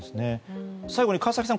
最後に川崎さん